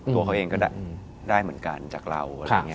ตัวเขาเองก็ได้เหมือนกันจากเรา